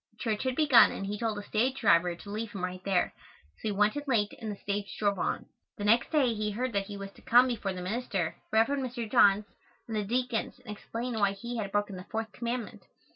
Church had begun and he told the stage driver to leave him right there, so he went in late and the stage drove on. The next day he heard that he was to come before the minister, Rev. Mr. Johns, and the deacons and explain why he had broken the fourth commandment.